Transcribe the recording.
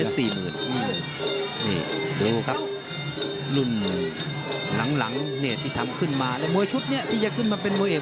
สี่หมื่นนี่ดูครับรุ่นหลังที่ทำขึ้นมาแล้วมวยชุดเนี้ยที่จะขึ้นมาเป็นมวยเอก